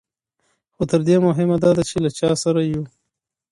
خو تر دې مهمه دا ده چې له چا سره یو.